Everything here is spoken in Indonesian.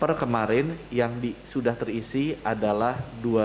per kemarin yang sudah terisi adalah dua lima ratus